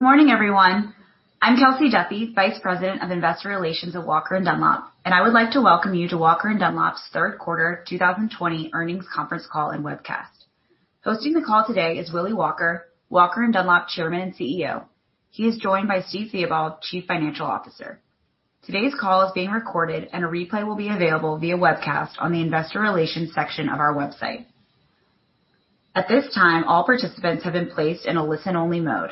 Good morning, everyone. I'm Kelsey Duffey, Vice President of Investor Relations at Walker & Dunlop, and I would like to welcome you to Walker & Dunlop's Third Quarter 2020 Earnings Conference Call and Webcast. Hosting the call today is Willy Walker, Walker & Dunlop Chairman and CEO. He is joined by Steve Theobald, Chief Financial Officer. Today's call is being recorded, and a replay will be available via webcast on the Investor Relations section of our website. At this time, all participants have been placed in a listen-only mode,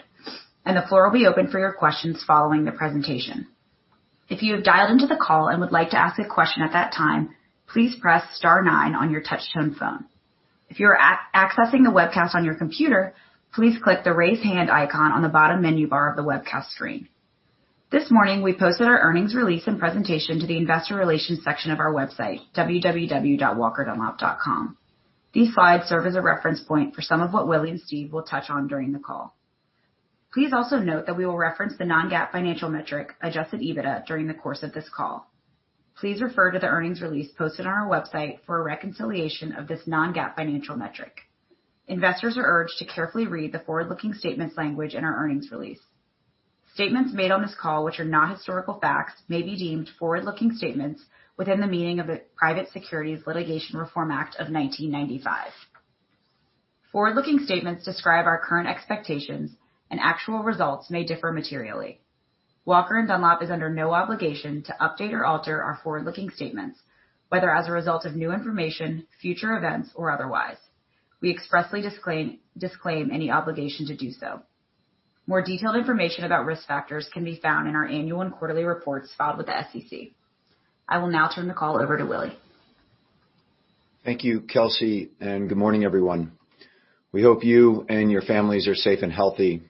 and the floor will be open for your questions following the presentation. If you have dialed into the call and would like to ask a question at that time, please press star nine on your touch-tone phone. If you are accessing the webcast on your computer, please click the raise hand icon on the bottom menu bar of the webcast screen. This morning, we posted our earnings release and presentation to the Investor Relations section of our website, www.walkeranddunlop.com. These slides serve as a reference point for some of what Willy and Steve will touch on during the call. Please also note that we will reference the non-GAAP financial metric, Adjusted EBITDA, during the course of this call. Please refer to the earnings release posted on our website for a reconciliation of this non-GAAP financial metric. Investors are urged to carefully read the forward-looking statements language in our earnings release. Statements made on this call, which are not historical facts, may be deemed forward-looking statements within the meaning of the Private Securities Litigation Reform Act of 1995. Forward-looking statements describe our current expectations, and actual results may differ materially. Walker & Dunlop is under no obligation to update or alter our forward-looking statements, whether as a result of new information, future events, or otherwise. We expressly disclaim any obligation to do so. More detailed information about risk factors can be found in our annual and quarterly reports filed with the SEC. I will now turn the call over to Willy. Thank you, Kelsey, and good morning, everyone. We hope you and your families are safe and healthy.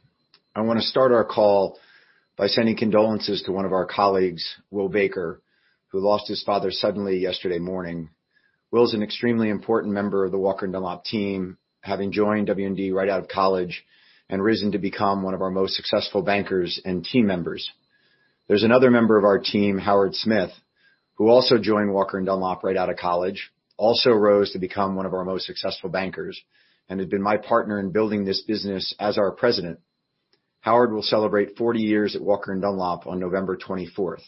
I want to start our call by sending condolences to one of our colleagues, Will Baker, who lost his father suddenly yesterday morning. Will is an extremely important member of the Walker & Dunlop team, having joined W&D right out of college and risen to become one of our most successful bankers and team members. There's another member of our team, Howard Smith, who also joined Walker & Dunlop right out of college, also rose to become one of our most successful bankers, and has been my partner in building this business as our President. Howard will celebrate 40 years at Walker & Dunlop on November 24th.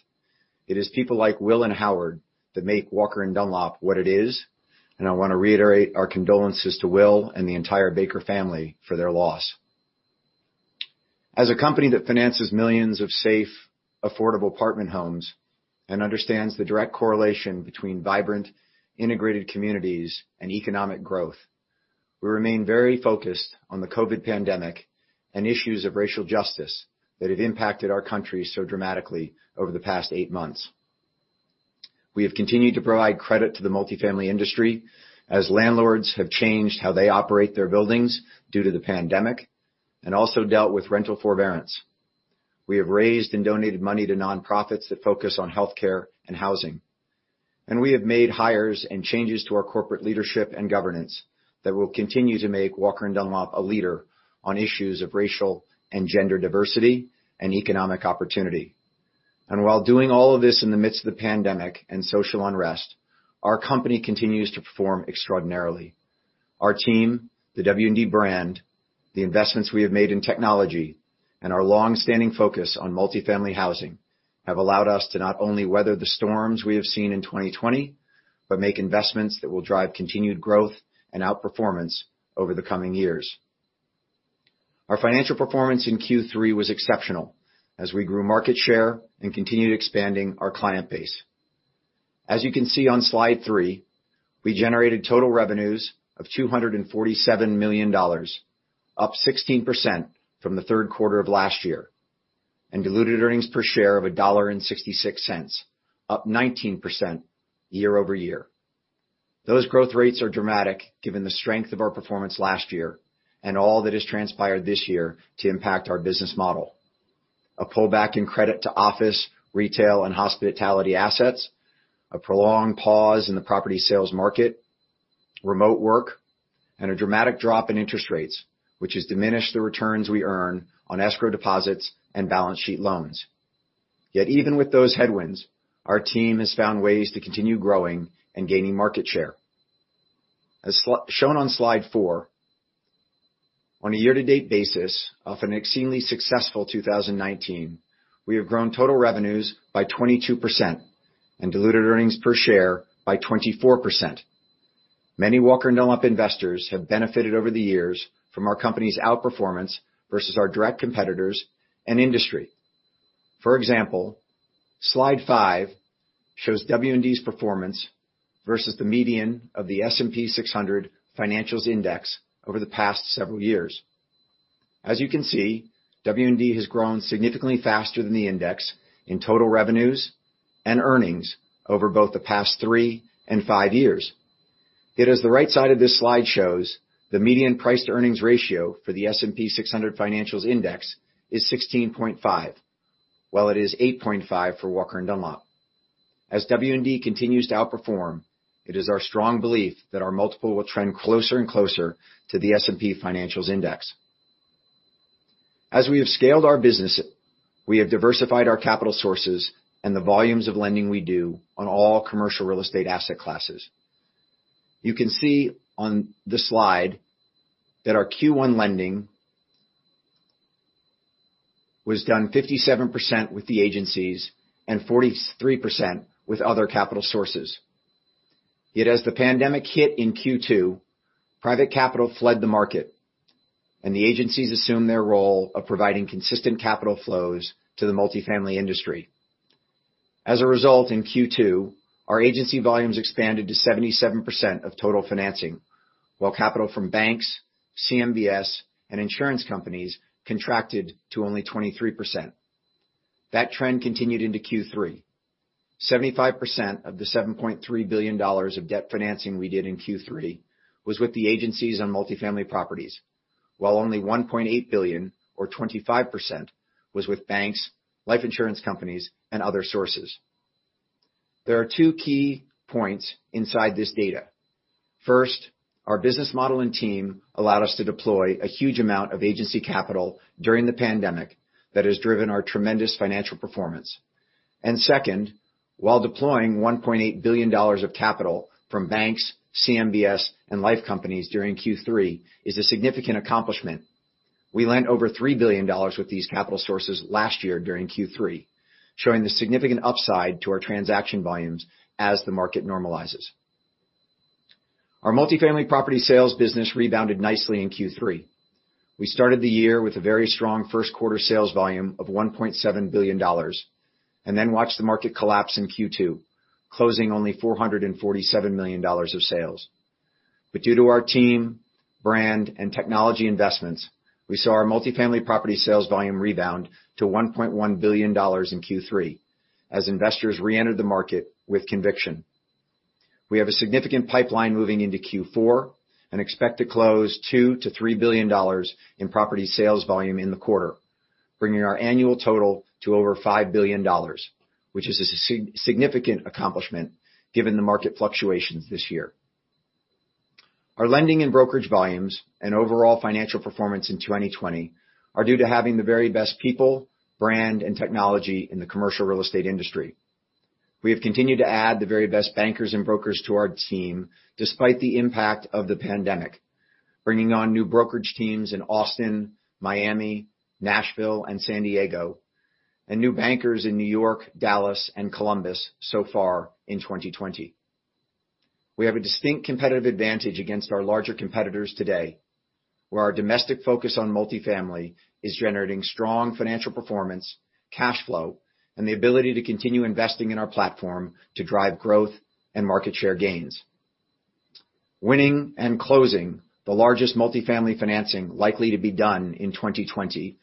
It is people like Will and Howard that make Walker & Dunlop what it is, and I want to reiterate our condolences to Will and the entire Baker family for their loss. As a company that finances millions of safe, affordable apartment homes and understands the direct correlation between vibrant, integrated communities and economic growth, we remain very focused on the COVID pandemic and issues of racial justice that have impacted our country so dramatically over the past eight months. We have continued to provide credit to the multifamily industry as landlords have changed how they operate their buildings due to the pandemic and also dealt with rental forbearance. We have raised and donated money to nonprofits that focus on healthcare and housing, and we have made hires and changes to our corporate leadership and governance that will continue to make Walker & Dunlop a leader on issues of racial and gender diversity and economic opportunity, and while doing all of this in the midst of the pandemic and social unrest, our company continues to perform extraordinarily. Our team, the W&D brand, the investments we have made in technology, and our long-standing focus on multifamily housing have allowed us to not only weather the storms we have seen in 2020, but make investments that will drive continued growth and outperformance over the coming years. Our financial performance in Q3 was exceptional as we grew market share and continued expanding our client base. As you can see on slide three, we generated total revenues of $247 million, up 16% from the third quarter of last year, and diluted earnings per share of $1.66, up 19% year over year. Those growth rates are dramatic given the strength of our performance last year and all that has transpired this year to impact our business model: a pullback in credit to office, retail, and hospitality assets, a prolonged pause in the property sales market, remote work, and a dramatic drop in interest rates, which has diminished the returns we earn on escrow deposits and balance sheet loans. Yet even with those headwinds, our team has found ways to continue growing and gaining market share. As shown on slide four, on a year-to-date basis of an exceedingly successful 2019, we have grown total revenues by 22% and diluted earnings per share by 24%. Many Walker & Dunlop investors have benefited over the years from our company's outperformance versus our direct competitors and industry. For example, slide five shows W&D's performance versus the median of the S&P 600 Financials index over the past several years. As you can see, W&D has grown significantly faster than the index in total revenues and earnings over both the past three and five years. Yet as the right side of this slide shows, the median price-to-earnings ratio for the S&P 600 Financials index is 16.5, while it is 8.5 for Walker & Dunlop. As W&D continues to outperform, it is our strong belief that our multiple will trend closer and closer to the S&P Financials index. As we have scaled our business, we have diversified our capital sources and the volumes of lending we do on all commercial real estate asset classes. You can see on the slide that our Q1 lending was done 57% with the agencies and 43% with other capital sources. Yet as the pandemic hit in Q2, private capital fled the market, and the agencies assumed their role of providing consistent capital flows to the multifamily industry. As a result, in Q2, our agency volumes expanded to 77% of total financing, while capital from banks, CMBS, and insurance companies contracted to only 23%. That trend continued into Q3. 75% of the $7.3 billion of debt financing we did in Q3 was with the agencies on multifamily properties, while only $1.8 billion, or 25%, was with banks, life insurance companies, and other sources. There are two key points inside this data. First, our business model and team allowed us to deploy a huge amount of agency capital during the pandemic that has driven our tremendous financial performance. And second, while deploying $1.8 billion of capital from banks, CMBS, and life companies during Q3 is a significant accomplishment, we lent over $3 billion with these capital sources last year during Q3, showing the significant upside to our transaction volumes as the market normalizes. Our multifamily property sales business rebounded nicely in Q3. We started the year with a very strong first quarter sales volume of $1.7 billion and then watched the market collapse in Q2, closing only $447 million of sales. But due to our team, brand, and technology investments, we saw our multifamily property sales volume rebound to $1.1 billion in Q3 as investors re-entered the market with conviction. We have a significant pipeline moving into Q4 and expect to close $2-$3 billion in property sales volume in the quarter, bringing our annual total to over $5 billion, which is a significant accomplishment given the market fluctuations this year. Our lending and brokerage volumes and overall financial performance in 2020 are due to having the very best people, brand, and technology in the commercial real estate industry. We have continued to add the very best bankers and brokers to our team despite the impact of the pandemic, bringing on new brokerage teams in Austin, Miami, Nashville, and San Diego, and new bankers in New York, Dallas, and Columbus so far in 2020. We have a distinct competitive advantage against our larger competitors today, where our domestic focus on multifamily is generating strong financial performance, cash flow, and the ability to continue investing in our platform to drive growth and market share gains. Winning and closing the largest multifamily financing likely to be done in 2020,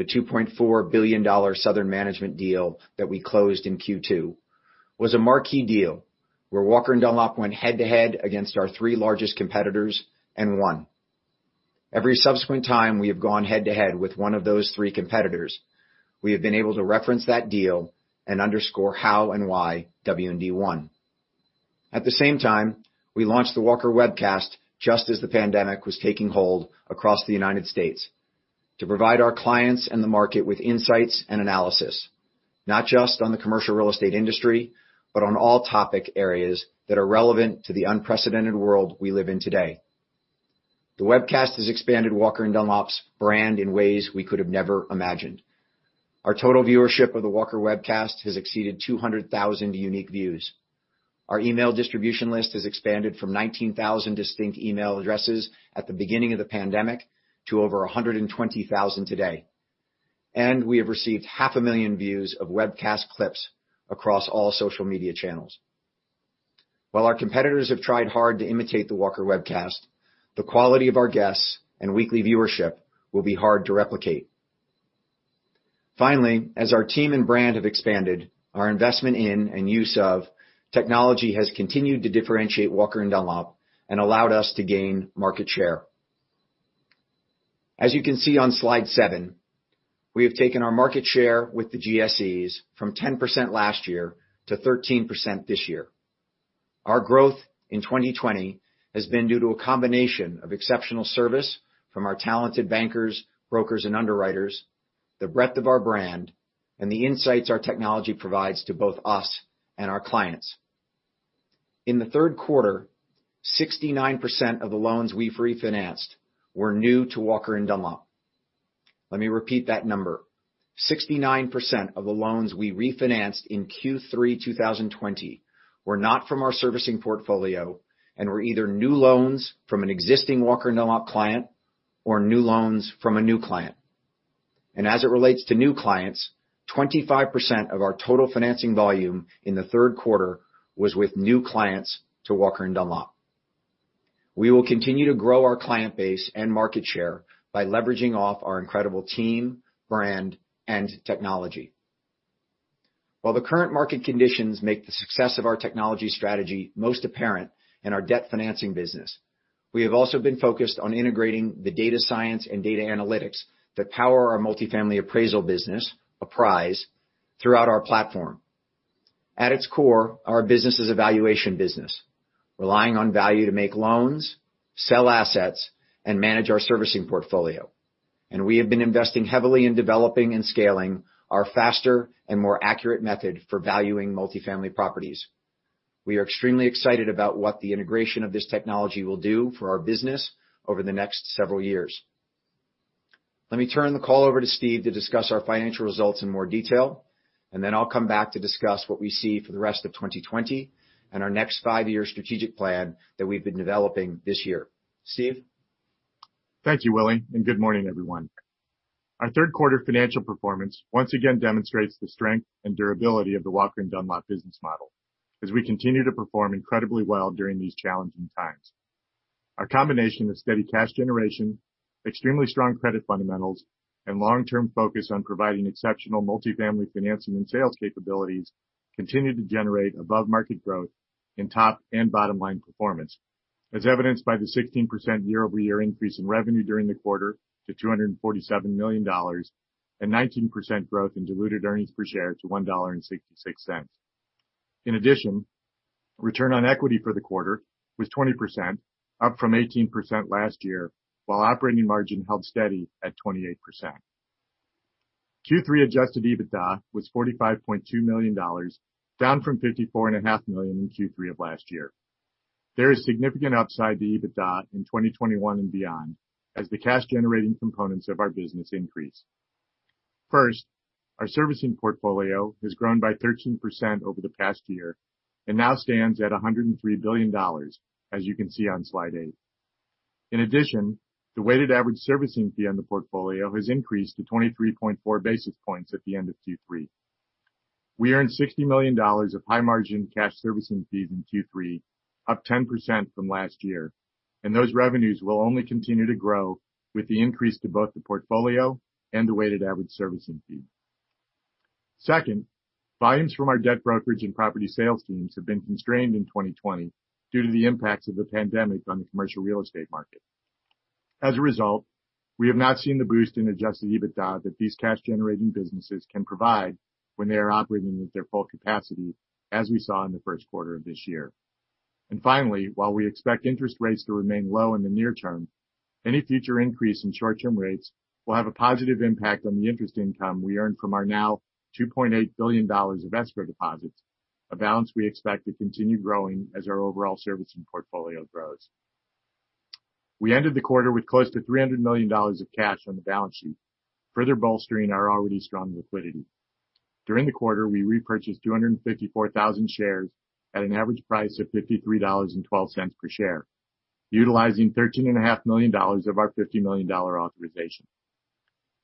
the $2.4 billion Southern Management deal that we closed in Q2 was a marquee deal where Walker & Dunlop went head-to-head against our three largest competitors and won. Every subsequent time we have gone head-to-head with one of those three competitors, we have been able to reference that deal and underscore how and why W&D won. At the same time, we launched the Walker Webcast just as the pandemic was taking hold across the United States to provide our clients and the market with insights and analysis, not just on the commercial real estate industry, but on all topic areas that are relevant to the unprecedented world we live in today. The Webcast has expanded Walker & Dunlop's brand in ways we could have never imagined. Our total viewership of the Walker Webcast has exceeded 200,000 unique views. Our email distribution list has expanded from 19,000 distinct email addresses at the beginning of the pandemic to over 120,000 today. And we have received 500,000 views of Webcast clips across all social media channels. While our competitors have tried hard to imitate the Walker Webcast, the quality of our guests and weekly viewership will be hard to replicate. Finally, as our team and brand have expanded, our investment in and use of technology has continued to differentiate Walker & Dunlop and allowed us to gain market share. As you can see on slide seven, we have taken our market share with the GSEs from 10% last year to 13% this year. Our growth in 2020 has been due to a combination of exceptional service from our talented bankers, brokers, and underwriters, the breadth of our brand, and the insights our technology provides to both us and our clients. In the third quarter, 69% of the loans we refinanced were new to Walker & Dunlop. Let me repeat that number. 69% of the loans we refinanced in Q3 2020 were not from our servicing portfolio and were either new loans from an existing Walker & Dunlop client or new loans from a new client. As it relates to new clients, 25% of our total financing volume in the third quarter was with new clients to Walker & Dunlop. We will continue to grow our client base and market share by leveraging off our incredible team, brand, and technology. While the current market conditions make the success of our technology strategy most apparent in our debt financing business, we have also been focused on integrating the data science and data analytics that power our multifamily appraisal business, Apprise, throughout our platform. At its core, our business is a valuation business, relying on value to make loans, sell assets, and manage our servicing portfolio. We have been investing heavily in developing and scaling our faster and more accurate method for valuing multifamily properties. We are extremely excited about what the integration of this technology will do for our business over the next several years. Let me turn the call over to Steve to discuss our financial results in more detail, and then I'll come back to discuss what we see for the rest of 2020 and our next five-year strategic plan that we've been developing this year. Steve? Thank you, Willy, and good morning, everyone. Our third quarter financial performance once again demonstrates the strength and durability of the Walker & Dunlop business model as we continue to perform incredibly well during these challenging times. Our combination of steady cash generation, extremely strong credit fundamentals, and long-term focus on providing exceptional multifamily financing and sales capabilities continue to generate above-market growth in top and bottom-line performance, as evidenced by the 16% year-over-year increase in revenue during the quarter to $247 million and 19% growth in diluted earnings per share to $1.66. In addition, return on equity for the quarter was 20%, up from 18% last year, while operating margin held steady at 28%. Q3 Adjusted EBITDA was $45.2 million, down from $54.5 million in Q3 of last year. There is significant upside to EBITDA in 2021 and beyond as the cash-generating components of our business increase. First, our servicing portfolio has grown by 13% over the past year and now stands at $103 billion, as you can see on slide eight. In addition, the weighted average servicing fee on the portfolio has increased to 23.4 basis points at the end of Q3. We earned $60 million of high-margin cash servicing fees in Q3, up 10% from last year, and those revenues will only continue to grow with the increase to both the portfolio and the weighted average servicing fee. Second, volumes from our debt brokerage and property sales teams have been constrained in 2020 due to the impacts of the pandemic on the commercial real estate market. As a result, we have not seen the boost in Adjusted EBITDA that these cash-generating businesses can provide when they are operating at their full capacity, as we saw in the first quarter of this year. And finally, while we expect interest rates to remain low in the near term, any future increase in short-term rates will have a positive impact on the interest income we earn from our now $2.8 billion of escrow deposits, a balance we expect to continue growing as our overall servicing portfolio grows. We ended the quarter with close to $300 million of cash on the balance sheet, further bolstering our already strong liquidity. During the quarter, we repurchased 254,000 shares at an average price of $53.12 per share, utilizing $13.5 million of our $50 million authorization.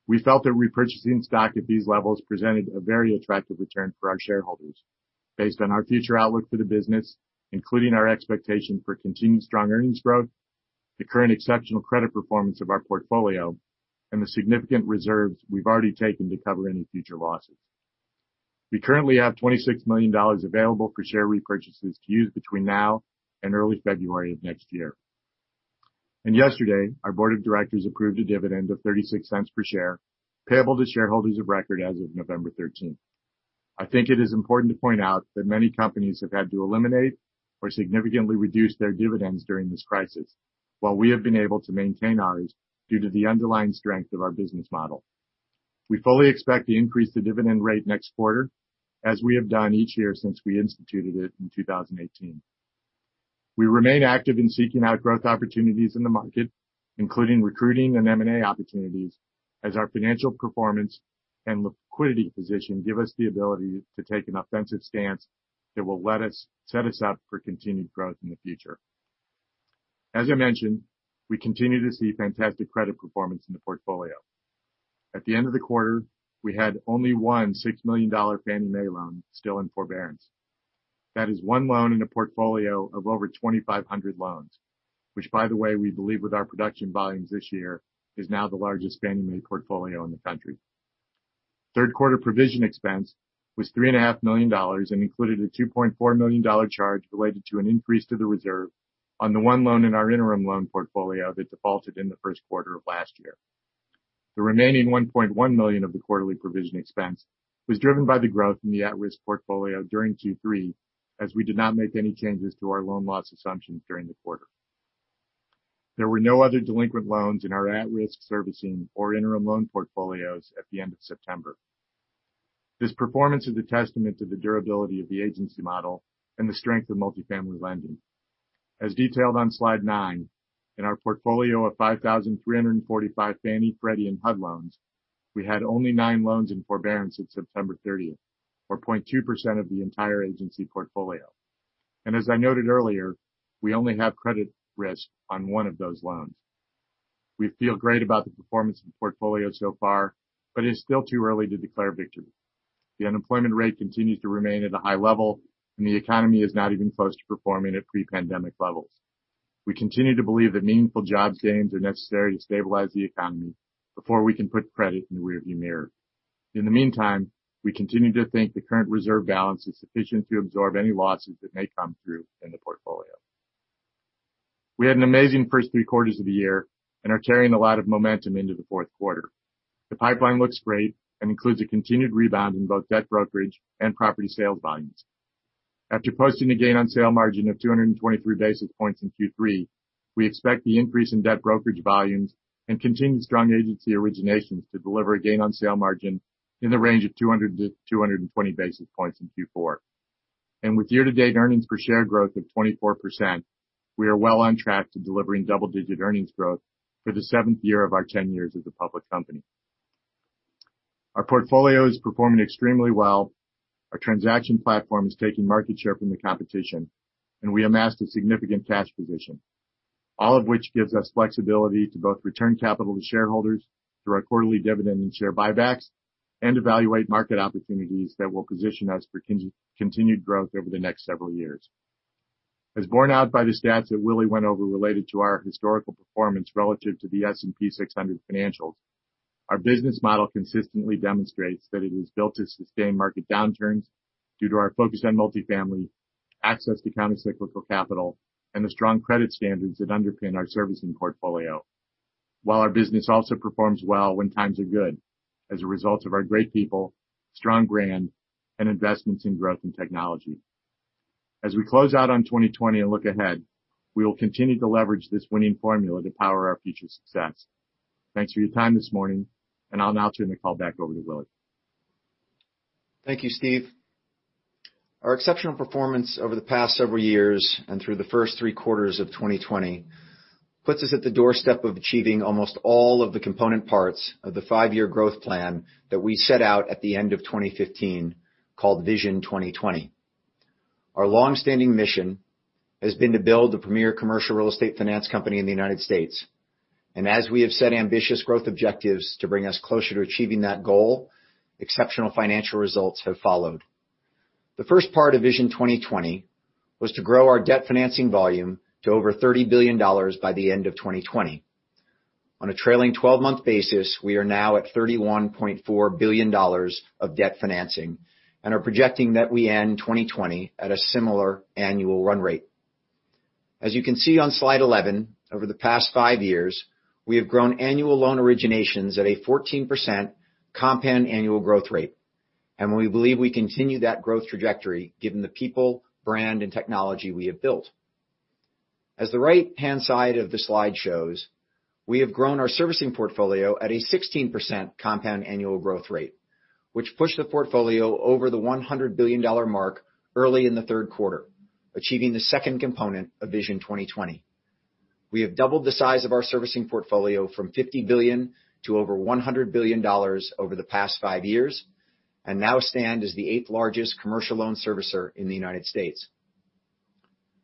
We felt that repurchasing stock at these levels presented a very attractive return for our shareholders based on our future outlook for the business, including our expectation for continued strong earnings growth, the current exceptional credit performance of our portfolio, and the significant reserves we've already taken to cover any future losses. We currently have $26 million available for share repurchases to use between now and early February of next year. And yesterday, our board of directors approved a dividend of $0.36 per share payable to shareholders of record as of November 13. I think it is important to point out that many companies have had to eliminate or significantly reduce their dividends during this crisis, while we have been able to maintain ours due to the underlying strength of our business model. We fully expect to increase the dividend rate next quarter, as we have done each year since we instituted it in 2018. We remain active in seeking out growth opportunities in the market, including recruiting and M&A opportunities, as our financial performance and liquidity position give us the ability to take an offensive stance that will set us up for continued growth in the future. As I mentioned, we continue to see fantastic credit performance in the portfolio. At the end of the quarter, we had only one $6 million Fannie Mae loan still in forbearance. That is one loan in a portfolio of over 2,500 loans, which, by the way, we believe with our production volumes this year is now the largest Fannie Mae portfolio in the country. Third quarter provision expense was $3.5 million and included a $2.4 million charge related to an increase to the reserve on the one loan in our interim loan portfolio that defaulted in the first quarter of last year. The remaining $1.1 million of the quarterly provision expense was driven by the growth in the at-risk portfolio during Q3, as we did not make any changes to our loan loss assumptions during the quarter. There were no other delinquent loans in our at-risk servicing or interim loan portfolios at the end of September. This performance is a testament to the durability of the agency model and the strength of multifamily lending. As detailed on slide nine, in our portfolio of 5,345 Fannie, Freddie, and HUD loans, we had only nine loans in forbearance since September 30, or 0.2% of the entire agency portfolio, and as I noted earlier, we only have credit risk on one of those loans. We feel great about the performance of the portfolio so far, but it is still too early to declare victory. The unemployment rate continues to remain at a high level, and the economy is not even close to performing at pre-pandemic levels. We continue to believe that meaningful jobs gains are necessary to stabilize the economy before we can put credit in the rearview mirror. In the meantime, we continue to think the current reserve balance is sufficient to absorb any losses that may come through in the portfolio. We had an amazing first three quarters of the year and are carrying a lot of momentum into the fourth quarter. The pipeline looks great and includes a continued rebound in both debt brokerage and property sales volumes. After posting a gain on sale margin of 223 basis points in Q3, we expect the increase in debt brokerage volumes and continued strong agency originations to deliver a gain on sale margin in the range of 200-220 basis points in Q4, and with year-to-date earnings per share growth of 24%, we are well on track to delivering double-digit earnings growth for the seventh year of our 10 years as a public company. Our portfolio is performing extremely well. Our transaction platform is taking market share from the competition, and we amassed a significant cash position, all of which gives us flexibility to both return capital to shareholders through our quarterly dividend and share buybacks and evaluate market opportunities that will position us for continued growth over the next several years. As borne out by the stats that Willy went over related to our historical performance relative to the S&P 600 Financials, our business model consistently demonstrates that it is built to sustain market downturns due to our focus on multifamily, access to countercyclical capital, and the strong credit standards that underpin our servicing portfolio, while our business also performs well when times are good as a result of our great people, strong brand, and investments in growth and technology. As we close out on 2020 and look ahead, we will continue to leverage this winning formula to power our future success. Thanks for your time this morning, and I'll now turn the call back over to Willy. Thank you, Steve. Our exceptional performance over the past several years and through the first three quarters of 2020 puts us at the doorstep of achieving almost all of the component parts of the five-year growth plan that we set out at the end of 2015 called Vision 2020. Our longstanding mission has been to build the premier commercial real estate finance company in the United States. And as we have set ambitious growth objectives to bring us closer to achieving that goal, exceptional financial results have followed. The first part of Vision 2020 was to grow our debt financing volume to over $30 billion by the end of 2020. On a trailing 12-month basis, we are now at $31.4 billion of debt financing and are projecting that we end 2020 at a similar annual run rate. As you can see on slide 11, over the past five years, we have grown annual loan originations at a 14% compound annual growth rate, and we believe we continue that growth trajectory given the people, brand, and technology we have built. As the right-hand side of the slide shows, we have grown our servicing portfolio at a 16% compound annual growth rate, which pushed the portfolio over the $100 billion mark early in the third quarter, achieving the second component of Vision 2020. We have doubled the size of our servicing portfolio from $50 billion to over $100 billion over the past five years and now stand as the eighth-largest commercial loan servicer in the United States.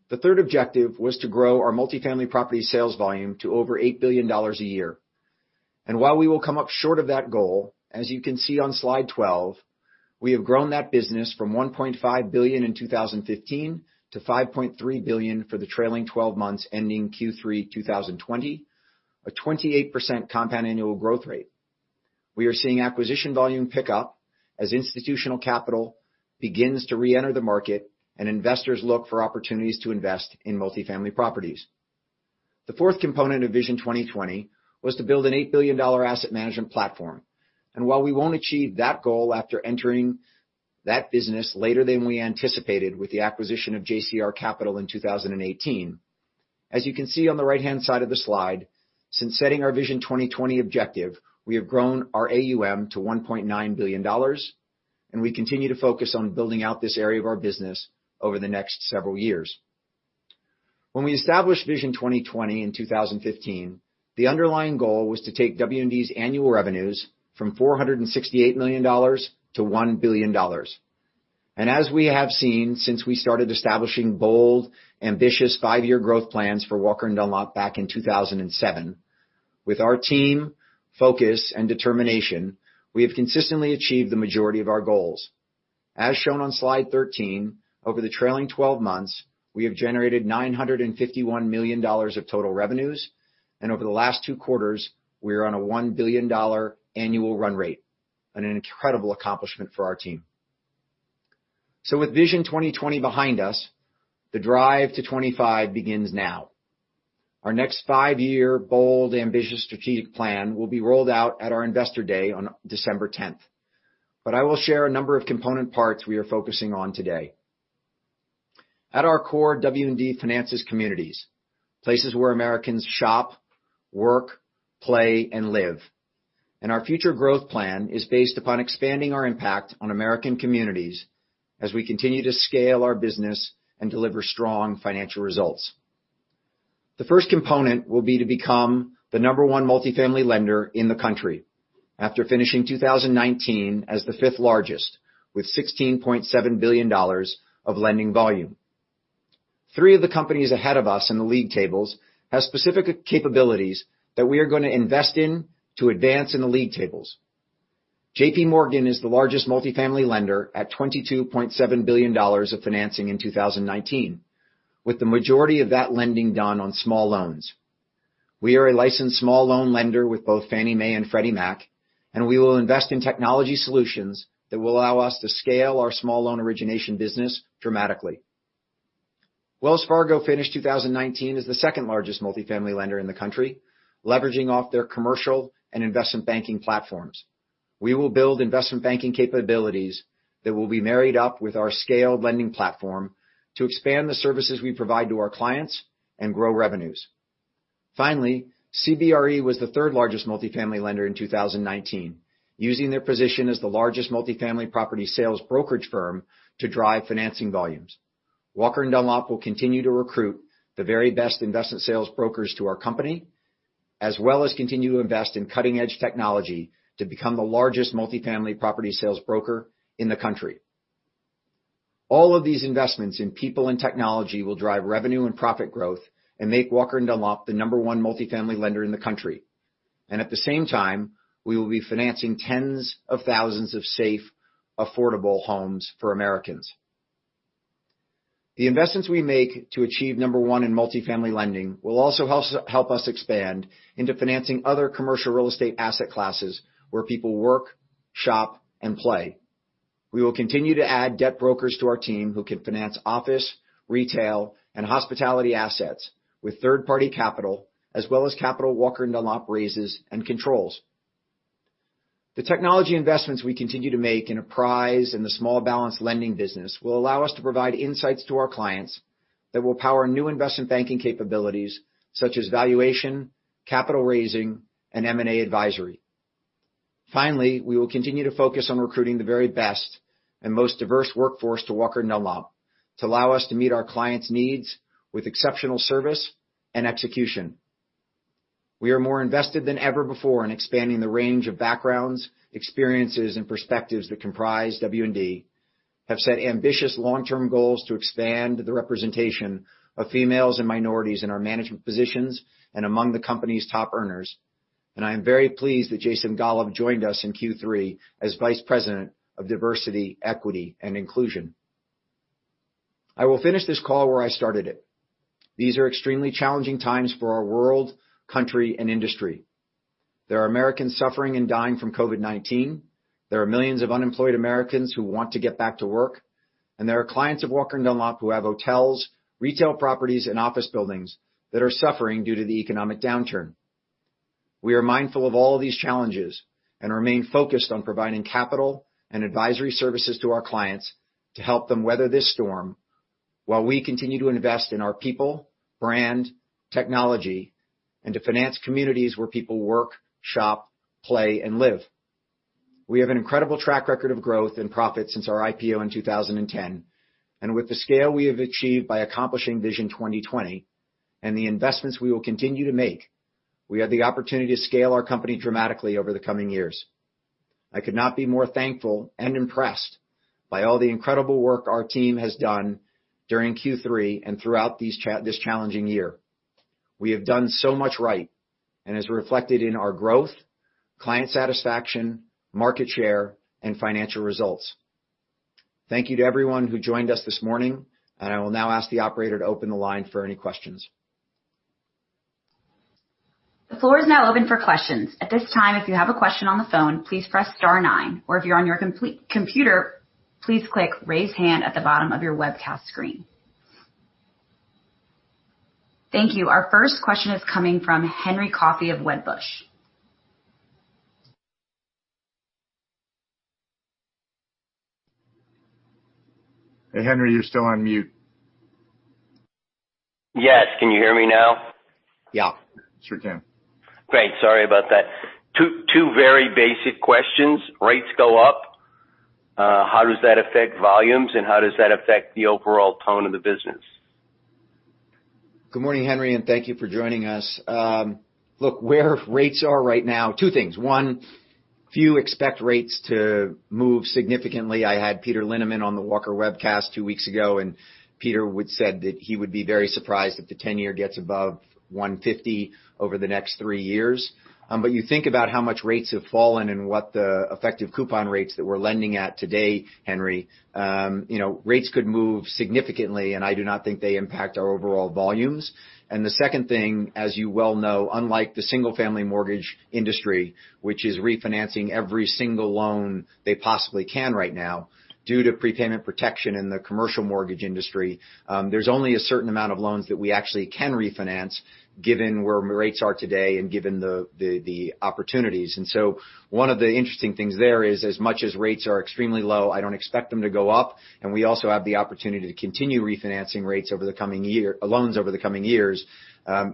The third objective was to grow our multifamily property sales volume to over $8 billion a year. While we will come up short of that goal, as you can see on slide 12, we have grown that business from $1.5 billion in 2015 to $5.3 billion for the trailing 12 months ending Q3 2020, a 28% compound annual growth rate. We are seeing acquisition volume pick up as institutional capital begins to re-enter the market and investors look for opportunities to invest in multifamily properties. The fourth component of Vision 2020 was to build an $8 billion asset management platform. And while we won't achieve that goal after entering that business later than we anticipated with the acquisition of JCR Capital in 2018, as you can see on the right-hand side of the slide, since setting our Vision 2020 objective, we have grown our AUM to $1.9 billion, and we continue to focus on building out this area of our business over the next several years. When we established Vision 2020 in 2015, the underlying goal was to take W&D's annual revenues from $468 million-$1 billion. And as we have seen since we started establishing bold, ambitious five-year growth plans for Walker & Dunlop back in 2007, with our team, focus, and determination, we have consistently achieved the majority of our goals. As shown on slide 13, over the trailing 12 months, we have generated $951 million of total revenues, and over the last two quarters, we are on a $1 billion annual run rate, an incredible accomplishment for our team. So with Vision 2020 behind us, the Drive to '25 begins now. Our next five-year bold, ambitious strategic plan will be rolled out at our investor day on December 10th. But I will share a number of component parts we are focusing on today. At our core, W&D finances communities, places where Americans shop, work, play, and live. And our future growth plan is based upon expanding our impact on American communities as we continue to scale our business and deliver strong financial results. The first component will be to become the number one multifamily lender in the country after finishing 2019 as the fifth largest with $16.7 billion of lending volume. Three of the companies ahead of us in the league tables have specific capabilities that we are going to invest in to advance in the league tables. J.P. Morgan is the largest multifamily lender at $22.7 billion of financing in 2019, with the majority of that lending done on small loans. We are a licensed small loan lender with both Fannie Mae and Freddie Mac, and we will invest in technology solutions that will allow us to scale our small loan origination business dramatically. Wells Fargo finished 2019 as the second-largest multifamily lender in the country, leveraging off their commercial and investment banking platforms. We will build investment banking capabilities that will be married up with our scaled lending platform to expand the services we provide to our clients and grow revenues. Finally, CBRE was the third-largest multifamily lender in 2019, using their position as the largest multifamily property sales brokerage firm to drive financing volumes. Walker & Dunlop will continue to recruit the very best investment sales brokers to our company, as well as continue to invest in cutting-edge technology to become the largest multifamily property sales broker in the country. All of these investments in people and technology will drive revenue and profit growth and make Walker & Dunlop the number-one multifamily lender in the country, and at the same time, we will be financing tens of thousands of safe, affordable homes for Americans. The investments we make to achieve number one in multifamily lending will also help us expand into financing other commercial real estate asset classes where people work, shop, and play. We will continue to add debt brokers to our team who can finance office, retail, and hospitality assets with third-party capital, as well as capital Walker & Dunlop raises and controls. The technology investments we continue to make in Apprise in the small balance lending business will allow us to provide insights to our clients that will power new investment banking capabilities such as valuation, capital raising, and M&A advisory. Finally, we will continue to focus on recruiting the very best and most diverse workforce to Walker & Dunlop to allow us to meet our clients' needs with exceptional service and execution. We are more invested than ever before in expanding the range of backgrounds, experiences, and perspectives that comprise W&D. We have set ambitious long-term goals to expand the representation of females and minorities in our management positions and among the company's top earners. I am very pleased that Jason Golub joined us in Q3 as Vice President of Diversity, Equity, and Inclusion. I will finish this call where I started it. These are extremely challenging times for our world, country, and industry. There are Americans suffering and dying from COVID-19. There are millions of unemployed Americans who want to get back to work. There are clients of Walker & Dunlop who have hotels, retail properties, and office buildings that are suffering due to the economic downturn. We are mindful of all of these challenges and remain focused on providing capital and advisory services to our clients to help them weather this storm while we continue to invest in our people, brand, technology, and to finance communities where people work, shop, play, and live. We have an incredible track record of growth and profit since our IPO in 2010. And with the scale we have achieved by accomplishing Vision 2020 and the investments we will continue to make, we have the opportunity to scale our company dramatically over the coming years. I could not be more thankful and impressed by all the incredible work our team has done during Q3 and throughout this challenging year. We have done so much right and has reflected in our growth, client satisfaction, market share, and financial results. Thank you to everyone who joined us this morning, and I will now ask the operator to open the line for any questions. The floor is now open for questions. At this time, if you have a question on the phone, please press star nine. Or if you're on your computer, please click raise hand at the bottom of your webcast screen. Thank you. Our first question is coming from Henry Coffey of Wedbush. Hey, Henry, you're still on mute. Yes. Can you hear me now? Yeah. Sure can. Great. Sorry about that. Two very basic questions. Rates go up. How does that affect volumes, and how does that affect the overall tone of the business? Good morning, Henry, and thank you for joining us. Look, where rates are right now, two things. One, few expect rates to move significantly. I had Peter Linneman on the Walker Webcast two weeks ago, and Peter said that he would be very surprised if the 10-year gets above 150 over the next three years. But you think about how much rates have fallen and what the effective coupon rates that we're lending at today, Henry. Rates could move significantly, and I do not think they impact our overall volumes. And the second thing, as you well know, unlike the single-family mortgage industry, which is refinancing every single loan they possibly can right now due to prepayment protection in the commercial mortgage industry, there's only a certain amount of loans that we actually can refinance given where rates are today and given the opportunities. And so one of the interesting things there is as much as rates are extremely low, I don't expect them to go up. And we also have the opportunity to continue refinancing rates over the coming years, loans over the coming years,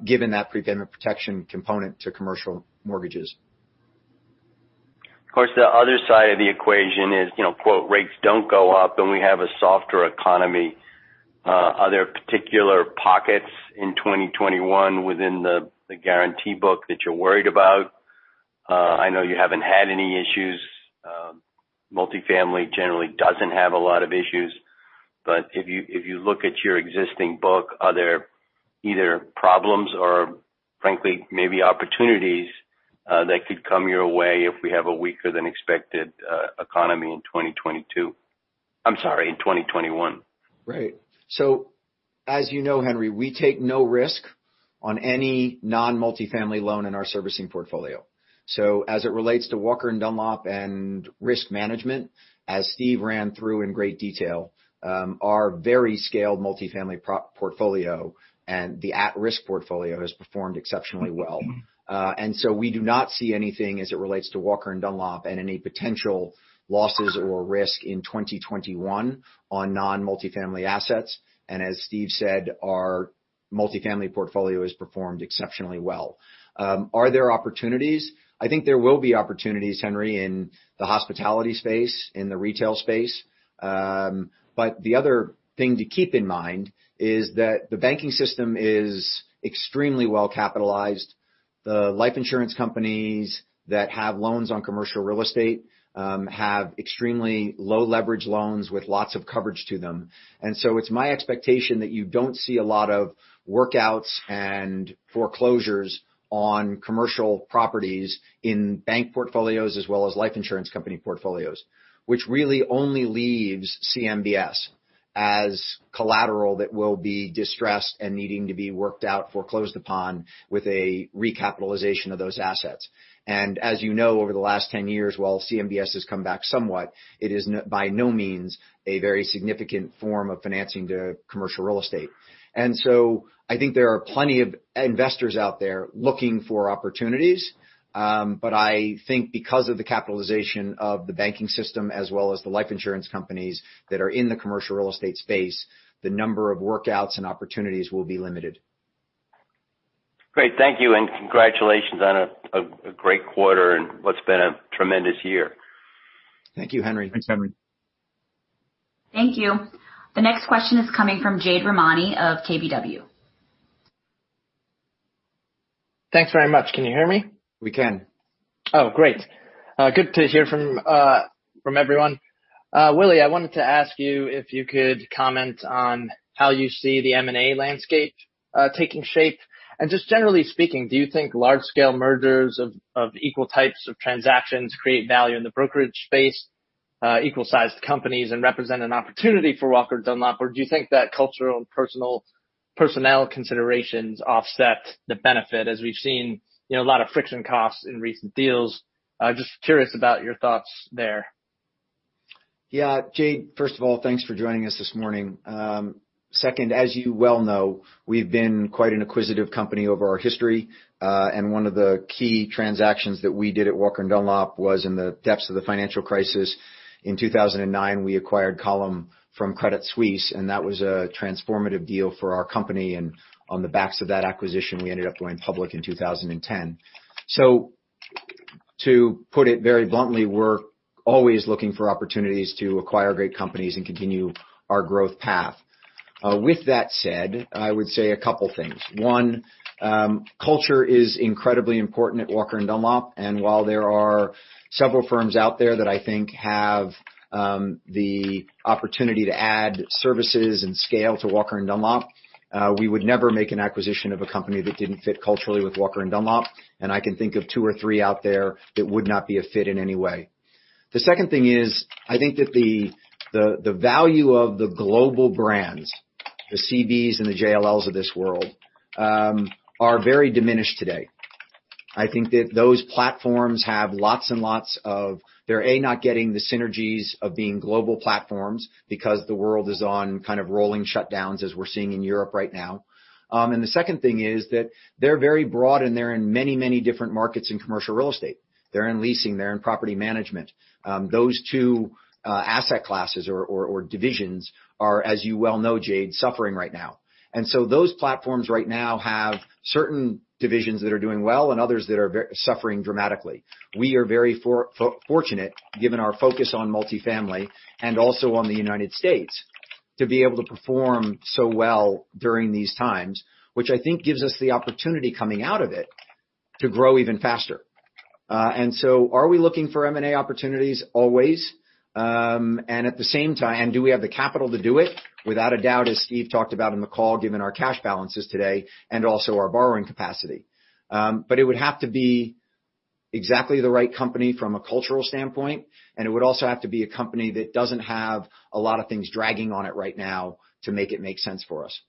given that prepayment protection component to commercial mortgages. Of course, the other side of the equation is, quote, "Rates don't go up and we have a softer economy." Are there particular pockets in 2021 within the GSE book that you're worried about? I know you haven't had any issues. Multifamily generally doesn't have a lot of issues. But if you look at your existing book, are there either problems or, frankly, maybe opportunities that could come your way if we have a weaker-than-expected economy in 2022? I'm sorry, in 2021. Right. So as you know, Henry, we take no risk on any non-multifamily loan in our servicing portfolio. So as it relates to Walker & Dunlop and risk management, as Steve ran through in great detail, our very scaled multifamily portfolio and the at-risk portfolio has performed exceptionally well. And so we do not see anything as it relates to Walker & Dunlop and any potential losses or risk in 2021 on non-multifamily assets. And as Steve said, our multifamily portfolio has performed exceptionally well. Are there opportunities? I think there will be opportunities, Henry, in the hospitality space, in the retail space. But the other thing to keep in mind is that the banking system is extremely well capitalized. The life insurance companies that have loans on commercial real estate have extremely low leverage loans with lots of coverage to them. And so it's my expectation that you don't see a lot of workouts and foreclosures on commercial properties in bank portfolios as well as life insurance company portfolios, which really only leaves CMBS as collateral that will be distressed and needing to be worked out, foreclosed upon with a recapitalization of those assets. And as you know, over the last 10 years, while CMBS has come back somewhat, it is by no means a very significant form of financing to commercial real estate. And so I think there are plenty of investors out there looking for opportunities. But I think because of the capitalization of the banking system as well as the life insurance companies that are in the commercial real estate space, the number of workouts and opportunities will be limited. Great. Thank you. And congratulations on a great quarter and what's been a tremendous year. Thank you, Henry. Thanks, Henry. Thank you. The next question is coming from Jade Rahmani of KBW. Thanks very much. Can you hear me? We can. Oh, great. Good to hear from everyone. Willy, I wanted to ask you if you could comment on how you see the M&A landscape taking shape. And just generally speaking, do you think large-scale mergers of equal types of transactions create value in the brokerage space, equal-sized companies, and represent an opportunity for Walker & Dunlop? Or do you think that cultural and personnel considerations offset the benefit as we've seen a lot of friction costs in recent deals? Just curious about your thoughts there. Yeah. Jade, first of all, thanks for joining us this morning. Second, as you well know, we've been quite an acquisitive company over our history. One of the key transactions that we did at Walker & Dunlop was in the depths of the financial crisis. In 2009, we acquired Column from Credit Suisse, and that was a transformative deal for our company. And on the backs of that acquisition, we ended up going public in 2010. So to put it very bluntly, we're always looking for opportunities to acquire great companies and continue our growth path. With that said, I would say a couple of things. One, culture is incredibly important at Walker & Dunlop. And while there are several firms out there that I think have the opportunity to add services and scale to Walker & Dunlop, we would never make an acquisition of a company that didn't fit culturally with Walker & Dunlop. And I can think of two or three out there that would not be a fit in any way. The second thing is I think that the value of the global brands, the CBREs and the JLLs of this world, are very diminished today. I think that those platforms have lots and lots of, they're not getting the synergies of being global platforms because the world is on kind of rolling shutdowns as we're seeing in Europe right now. And the second thing is that they're very broad and they're in many, many different markets in commercial real estate. They're in leasing. They're in property management. Those two asset classes or divisions are, as you well know, Jade, suffering right now. And so those platforms right now have certain divisions that are doing well and others that are suffering dramatically. We are very fortunate, given our focus on multifamily and also on the United States, to be able to perform so well during these times, which I think gives us the opportunity coming out of it to grow even faster, and so are we looking for M&A opportunities? Always, and at the same time, do we have the capital to do it? Without a doubt, as Steve talked about in the call, given our cash balances today and also our borrowing capacity, but it would have to be exactly the right company from a cultural standpoint. And it would also have to be a company that doesn't have a lot of things dragging on it right now to make it make sense for us.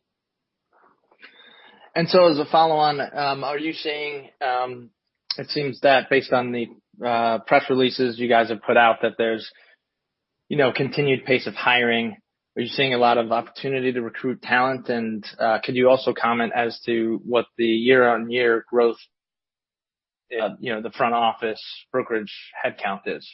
And so as a follow-on, are you seeing? It seems that based on the press releases you guys have put out that there's continued pace of hiring. Are you seeing a lot of opportunity to recruit talent? And could you also comment as to what the year-on-year growth, the front office brokerage headcount is?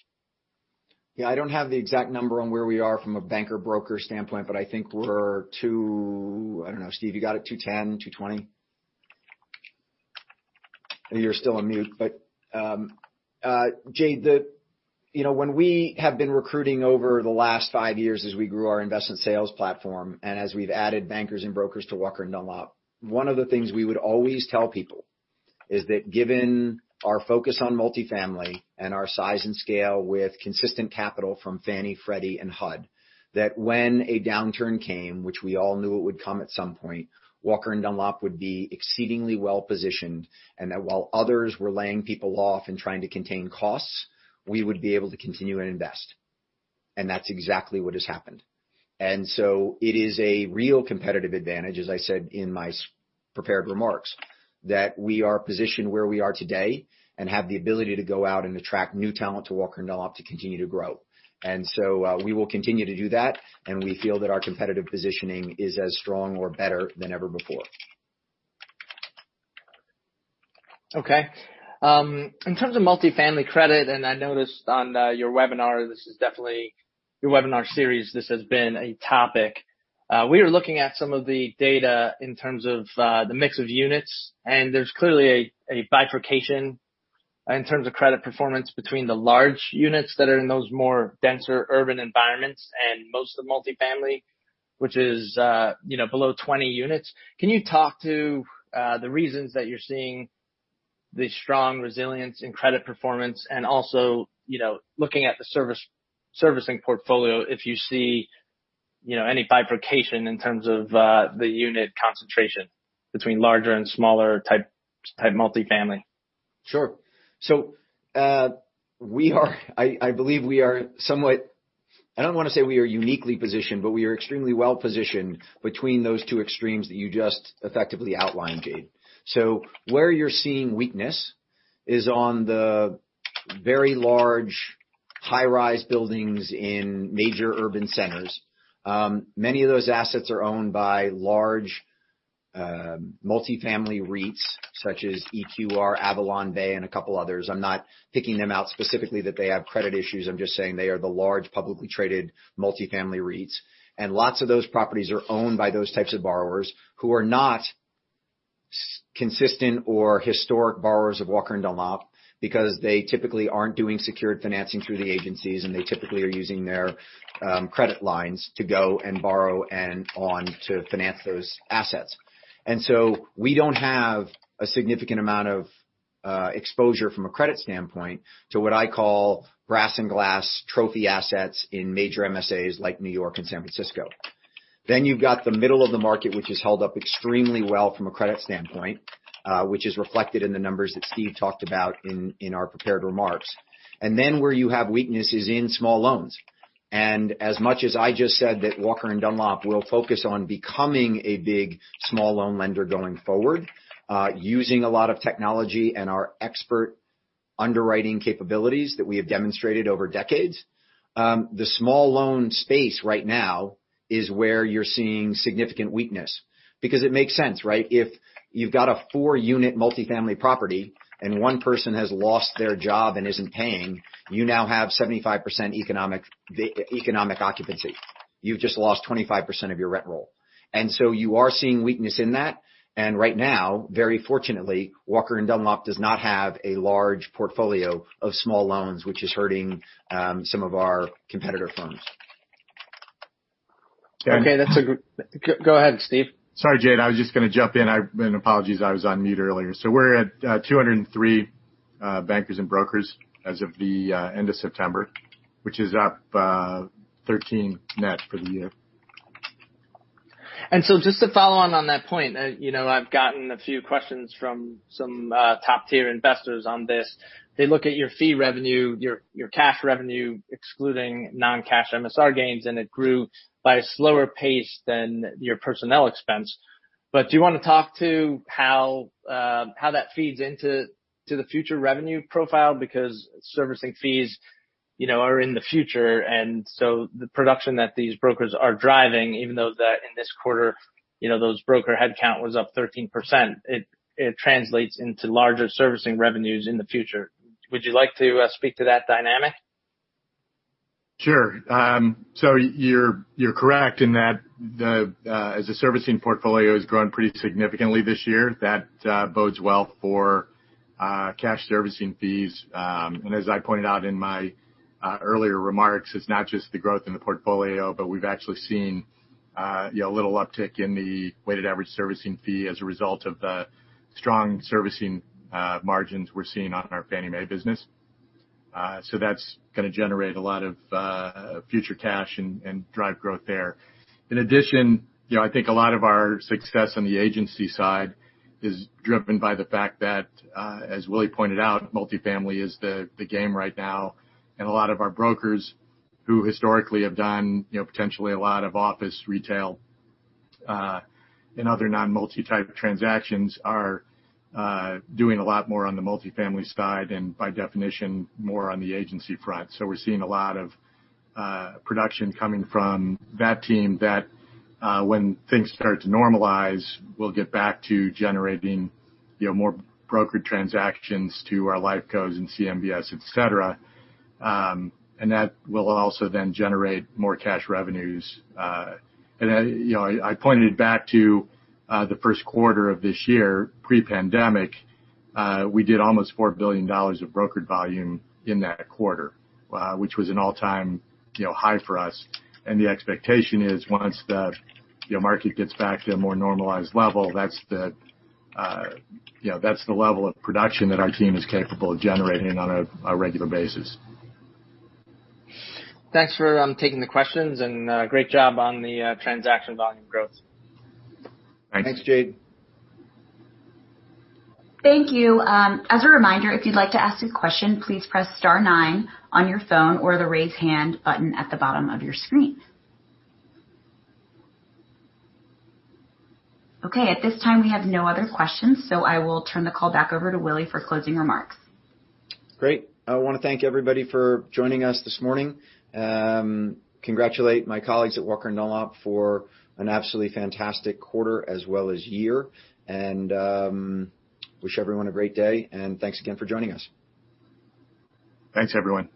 Yeah. I don't have the exact number on where we are from a banker broker standpoint, but I think we're to. I don't know, Steve, you got it? 210, 220? You're still on mute. But Jade, when we have been recruiting over the last five years as we grew our investment sales platform and as we've added bankers and brokers to Walker & Dunlop, one of the things we would always tell people is that given our focus on multifamily and our size and scale with consistent capital from Fannie, Freddie, and HUD, that when a downturn came, which we all knew it would come at some point, Walker & Dunlop would be exceedingly well positioned and that while others were laying people off and trying to contain costs, we would be able to continue and invest. And that's exactly what has happened. So it is a real competitive advantage, as I said in my prepared remarks, that we are positioned where we are today and have the ability to go out and attract new talent to Walker & Dunlop to continue to grow. So we will continue to do that. We feel that our competitive positioning is as strong or better than ever before. Okay. In terms of multifamily credit, and I noticed on your webinar, this is definitely your webinar series, this has been a topic. We are looking at some of the data in terms of the mix of units. There's clearly a bifurcation in terms of credit performance between the large units that are in those more denser urban environments and most of the multifamily, which is below 20 units. Can you talk to the reasons that you're seeing the strong resilience in credit performance and also looking at the servicing portfolio if you see any bifurcation in terms of the unit concentration between larger and smaller-type multifamily? Sure. So I believe we are somewhat - I don't want to say we are uniquely positioned, but we are extremely well positioned between those two extremes that you just effectively outlined, Jade. So where you're seeing weakness is on the very large high-rise buildings in major urban centers. Many of those assets are owned by large multifamily REITs such as EQR, AvalonBay, and a couple of others. I'm not picking them out specifically that they have credit issues. I'm just saying they are the large publicly traded multifamily REITs. And lots of those properties are owned by those types of borrowers who are not consistent or historic borrowers of Walker & Dunlop because they typically aren't doing secured financing through the agencies, and they typically are using their credit lines to go and borrow and on to finance those assets. And so we don't have a significant amount of exposure from a credit standpoint to what I call brass and glass trophy assets in major MSAs like New York and San Francisco. Then you've got the middle of the market, which is held up extremely well from a credit standpoint, which is reflected in the numbers that Steve talked about in our prepared remarks. And then where you have weakness is in small loans. As much as I just said that Walker & Dunlop will focus on becoming a big small loan lender going forward, using a lot of technology and our expert underwriting capabilities that we have demonstrated over decades, the small loan space right now is where you're seeing significant weakness. Because it makes sense, right? If you've got a four-unit multifamily property and one person has lost their job and isn't paying, you now have 75% economic occupancy. You've just lost 25% of your rent roll. So you are seeing weakness in that. Right now, very fortunately, Walker & Dunlop does not have a large portfolio of small loans, which is hurting some of our competitor firms. Okay. Go ahead, Steve. Sorry, Jade. I was just going to jump in. Apologies, I was on mute earlier. So we're at 203 bankers and brokers as of the end of September, which is up 13 net for the year. And so just to follow on that point, I've gotten a few questions from some top-tier investors on this. They look at your fee revenue, your cash revenue, excluding non-cash MSR gains, and it grew by a slower pace than your personnel expense. But do you want to talk to how that feeds into the future revenue profile? Because servicing fees are in the future. And so the production that these brokers are driving, even though in this quarter those broker headcount was up 13%, it translates into larger servicing revenues in the future. Would you like to speak to that dynamic? Sure. So you're correct in that as a servicing portfolio has grown pretty significantly this year, that bodes well for cash servicing fees. And as I pointed out in my earlier remarks, it's not just the growth in the portfolio, but we've actually seen a little uptick in the weighted average servicing fee as a result of the strong servicing margins we're seeing on our Fannie Mae business. So that's going to generate a lot of future cash and drive growth there. In addition, I think a lot of our success on the agency side is driven by the fact that, as Willy pointed out, multifamily is the game right now. And a lot of our brokers who historically have done potentially a lot of office retail and other non-multi-type transactions are doing a lot more on the multifamily side and by definition, more on the agency front. So, we're seeing a lot of production coming from that team that when things start to normalize, we'll get back to generating more brokered transactions to our LifeCos and CMBS, etc. And that will also then generate more cash revenues. And I pointed it back to the first quarter of this year. Pre-pandemic, we did almost $4 billion of brokered volume in that quarter, which was an all-time high for us. And the expectation is once the market gets back to a more normalized level, that's the level of production that our team is capable of generating on a regular basis. Thanks for taking the questions and great job on the transaction volume growth. Thanks. Thanks, Jade. Thank you. As a reminder, if you'd like to ask a question, please press star nine on your phone or the raise hand button at the bottom of your screen. Okay. At this time, we have no other questions, so I will turn the call back over to Willy for closing remarks. Great. I want to thank everybody for joining us this morning, congratulate my colleagues at Walker & Dunlop for an absolutely fantastic quarter as well as year, and wish everyone a great day, and thanks again for joining us. Thanks, everyone.